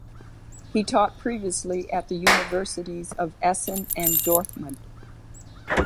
He taught previously at the Universities of Essen and Dortmund.